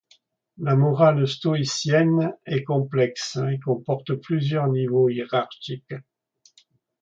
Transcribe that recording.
La morale stoïcienne est complexe et comporte plusieurs niveaux hiérarchiques.